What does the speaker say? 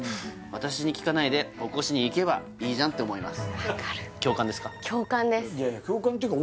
「私に聞かないで起こしにいけばいいじゃんって思います」